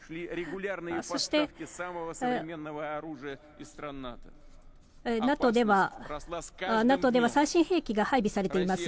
そしてＮＡＴＯでは最新兵器が配備されています。